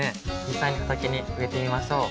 実際に畑に植えてみましょう。